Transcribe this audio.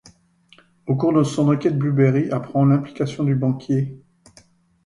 Au cours de son enquête, Blueberry apprend l'implication du banquier.